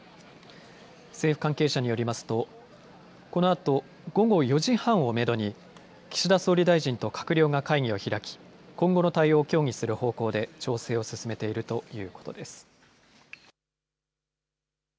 政府関係者によりますとこのあと午後４時半をめどに岸田総理大臣と閣僚が会議を開き今後の対応を協議する方向で調整を進めているということです。